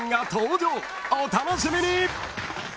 ［お楽しみに！］